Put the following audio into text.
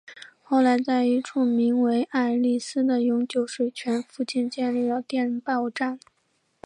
后来在一处名为爱丽斯的永久水泉附近建立了电报站。